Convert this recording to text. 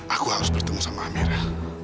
aku harus bertemu sama amera